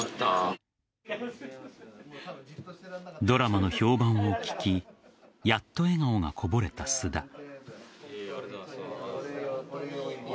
ドラマの評判を聞きやっと笑顔がこぼれた菅田。